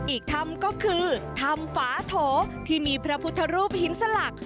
อีกธรรมก็คือธรรมฝาโถที่มีพระพุทธรูปหินสลัก